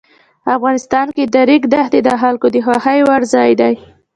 افغانستان کې د ریګ دښتې د خلکو د خوښې وړ ځای دی.